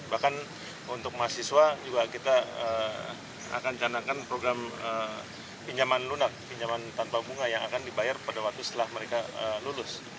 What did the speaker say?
bahkan untuk mahasiswa juga kita akan canangkan program pinjaman lunak pinjaman tanpa bunga yang akan dibayar pada waktu setelah mereka lulus